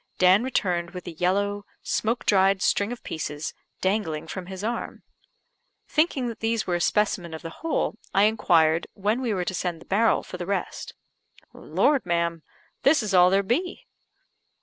Dan returned with a yellow, smoke dried string of pieces, dangling from his arm. Thinking that these were a specimen of the whole, I inquired when we were to send the barrel for the rest. "Lord, ma'am, this is all there be."